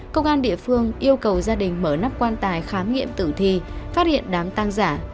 công an địa phương yêu cầu gia đình mở nắp quan tài khám nghiệm tử thi phát hiện đám tăng giả